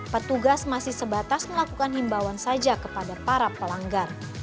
petugas masih sebatas melakukan himbauan saja kepada para pelanggar